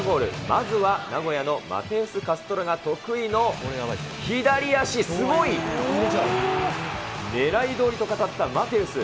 まずは名古屋のマテウス・カストロが得意の左足、すごい。狙いどおりと語ったマテウス。